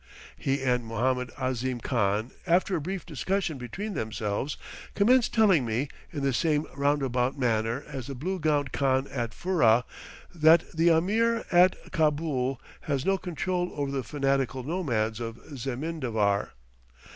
He and Mohammed Ahzim Khan, after a brief discussion between themselves, commence telling me, in the same roundabout manner as the blue gowned Khan at Furrah, that the Ameer at Cabool has no control over the fanatical nomads of Zemindavar.